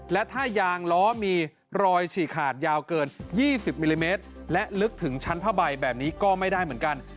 และถ้ายางล้อมีรอยฉีกขาดยาวเกิน๒๐มิลลิเมตรและลึกถึงชั้นผ้าใบแบบนี้ก็ไม่ได้เหมือนกัน